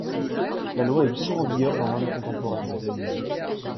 La loi est toujours en vigueur dans l’Inde contemporaine.